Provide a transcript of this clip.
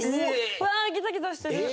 うわギザギザしてる。